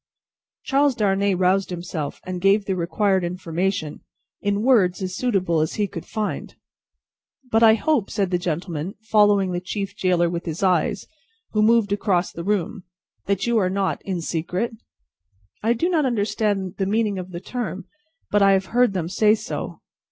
Charles Darnay roused himself, and gave the required information, in words as suitable as he could find. "But I hope," said the gentleman, following the chief gaoler with his eyes, who moved across the room, "that you are not in secret?" "I do not understand the meaning of the term, but I have heard them say so."